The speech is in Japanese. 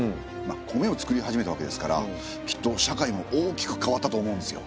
米を作り始めたわけですからきっと社会も大きく変わったと思うんですよ。